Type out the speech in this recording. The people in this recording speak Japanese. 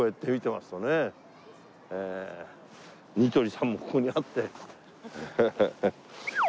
ニトリさんもここにあって。